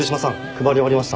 配り終わりました。